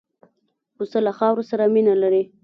پسه له خاورو سره مینه لري.